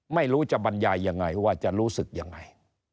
ไม่รู้จะบรรยายยังไงว่าจะรู้สึกยังไง